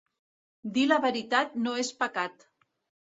Dir la veritat no és pecat.